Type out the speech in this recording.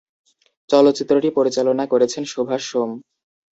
চলচ্চিত্রটি পরিচালনা করেছেন সুভাষ সোম।